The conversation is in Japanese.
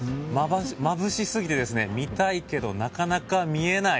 まぶしすぎて、見たいけどなかなか見えない。